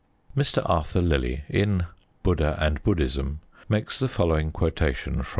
Mr. Arthur Lillie, in Buddha and Buddhism, makes the following quotation from M.